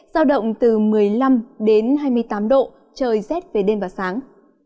giao động từ một mươi năm đến hai mươi tám độ trời rét về đêm và sáng